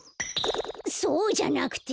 そうじゃなくて！